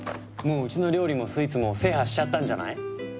もううちの料理もスイーツも制覇しちゃったんじゃない？